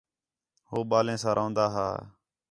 ہو ٻالیں سا رَوندا ہا